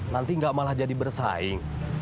nanti nggak malah jadi bersaing